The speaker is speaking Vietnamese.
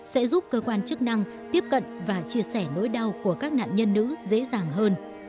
sẽ giúp cơ quan chức năng tiếp cận và chia sẻ nỗi đau của các nạn nhân nữ dễ dàng hơn